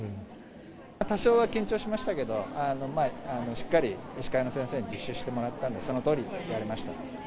多少は緊張しましたけど、しっかり医師会の先生に実習してもらったんで、そのとおりやれま